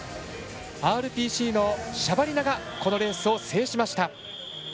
ＲＰＣのシャバリナがこのレースを制しました。